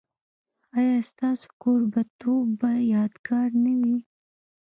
ایا ستاسو کوربه توب به یادګار نه وي؟